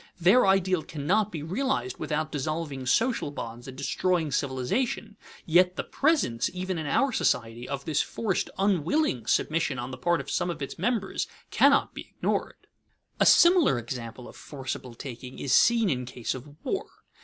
Their ideal cannot be realized without dissolving social bonds and destroying civilization; yet the presence, even in our society, of this forced, unwilling submission on the part of some of its members cannot be ignored. [Sidenote: War indemnities] A similar example of forcible taking is seen in case of war.